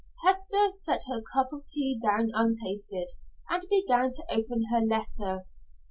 Hester set her cup of tea down untasted, and began to open her letter.